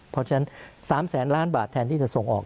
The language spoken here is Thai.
เพราะฉะนั้น๓แสนล้านบาทแทนที่จะส่งออก